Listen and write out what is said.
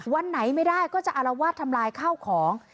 วันไหนไม่ได้ก็จะอารวาสทำลายข้าวของ